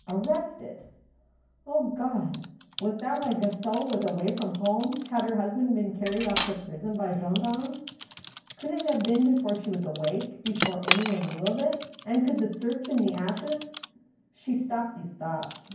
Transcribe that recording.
Arrested ! O God, was that why Gaston was away from home ? Had her husband been carried off to prison by gendarmes ? Could it have been before she was awake, before any one knew of it ? And could the search in the ashes —? She stopped these thoughts.